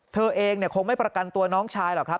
เธอเองคงไม่ประกันตัวน้องชายหรอกครับ